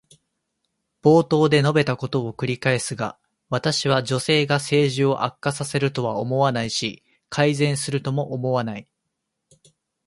冒頭で述べたことを繰り返すが、私は女性が政治を悪化させるとは思わないし、改善するとも思わない。